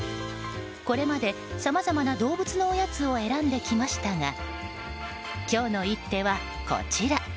これまでさまざまな動物のおやつを選んできましたが今日の一手は、こちら。